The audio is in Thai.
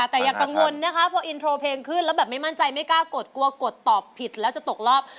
แต่อย่ากังวลนะคะพออินโทรเพลงขึ้นแล้วแบบไม่มั่นใจไม่กล้ากดกลัวกดตอบผิดแล้วจะตกรอบ